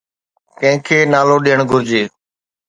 ڪنهن کي نالو ڏيڻ گهرجي؟